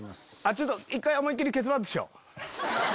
ちょっと一回思いっ切りケツバットしよう。